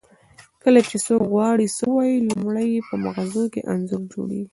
کله چې څوک غواړي څه ووایي لومړی یې په مغزو کې انځور جوړیږي